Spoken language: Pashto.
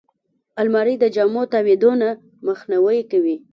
الماري د جامو تاویدو نه مخنیوی کوي